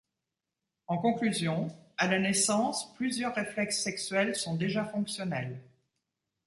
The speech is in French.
En conclusion, à la naissance, plusieurs réflexes sexuels sont déjà fonctionnels.